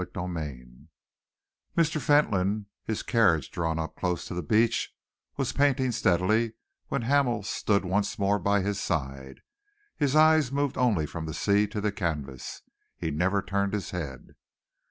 CHAPTER XXVIII Mr. Fentolin, his carriage drawn up close to the beach, was painting steadily when Hamel stood once more by his side. His eyes moved only from the sea to the canvas. He never turned his head.